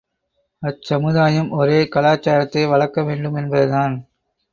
அச்சமுதாயம் ஒரே கலாச்சாரத்தை வளர்க்க வேண்டும் என்பதுதான்.